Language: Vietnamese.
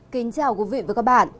kính chào quý vị và các bạn